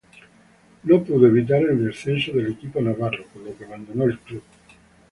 No pudo evitar el descenso del equipo navarro, por lo que abandonó el club.